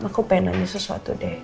ma aku pengen nanya sesuatu deh